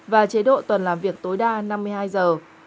và chế độ tuần làm việc tối đa năm mươi hai giờ